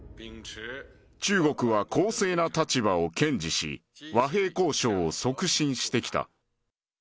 中国は公正な立場を堅持し、和平交渉を促進してきた。